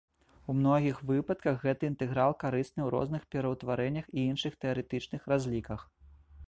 У многіх выпадках гэты інтэграл карысны ў розных пераўтварэннях і іншых тэарэтычных разліках.